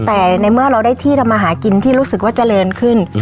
แต่ในเมื่อเราได้ที่ทำมาหากินที่รู้สึกว่าเจริญขึ้น